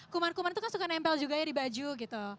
kuman kuman itu kan suka nempel juga ya di baju gitu